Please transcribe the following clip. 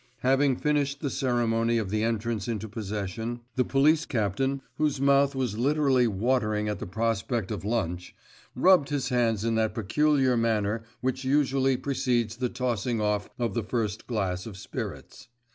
Having finished the ceremony of the entrance into possession, the police captain, whose mouth was literally watering at the prospect of lunch, rubbed his hands in that peculiar manner which usually precedes the tossing off of the first glass of spirits.